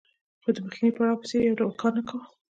خو د مخکیني پړاو په څېر یې یو ډول کار نه کاوه